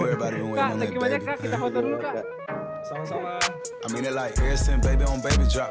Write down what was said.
kak thank you banyak kak kita kontrol dulu kak